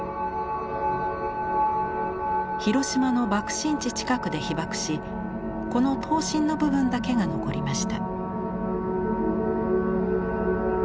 広島の爆心地近くで被曝しこの塔身の部分だけが残りました。